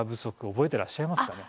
覚えてらっしゃいますかね。